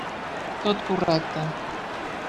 Tot correcte.